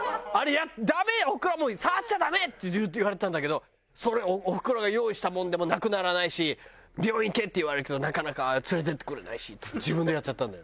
ダメおふくろはもう「触っちゃダメ」って言われてたんだけどそれおふくろが用意したものでもなくならないし「病院行け」って言われるけどなかなか連れていってくれないし自分でやっちゃったんだよ。